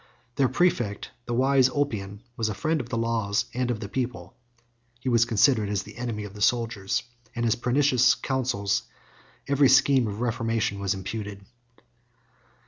Their præfect, the wise Ulpian, was the friend of the laws and of the people; he was considered as the enemy of the soldiers, and to his pernicious counsels every scheme of reformation was imputed.